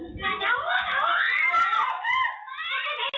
อุ๊ยอาจารย์อยากกินอะไรฮะ